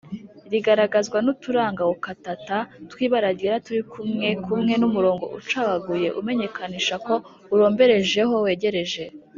rigaragazwa n’uturanga gukatata twibara ryera turikumwe kumwe n’umurongo ucagaguye umenyekanisha ko uromberejeho wegereje